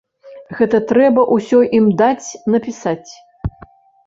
Гэта трэба ўсё ім даць, напісаць.